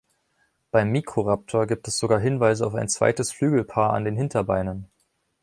Beim „Mikroraptor“ gibt es sogar Hinweise auf ein zweites Flügelpaar an den Hinterbeinen.